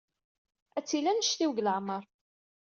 Ad tili anect-iw deg leɛmeṛ.